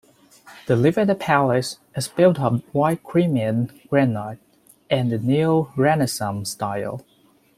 The Livadia Palace is built of white Crimean granite in the Neo-Renaissance style.